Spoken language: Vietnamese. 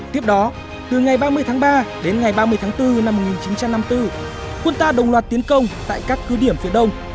tiếp đó từ ngày ba mươi tháng ba đến ngày ba mươi tháng bốn năm một nghìn chín trăm năm mươi bốn quân ta đồng loạt tiến công tại các cứ điểm phía đông